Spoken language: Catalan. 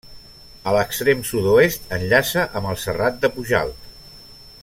A l'extrem sud-oest enllaça amb el Serrat de Pujalt.